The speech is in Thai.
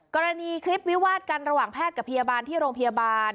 กรณีคลิปวิวาดกันระหว่างแพทย์กับพยาบาลที่โรงพยาบาล